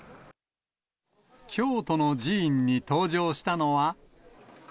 京都の寺院に登場したのは。